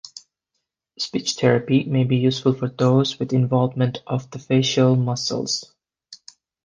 Speech therapy may be useful for those with involvement of the facial muscles.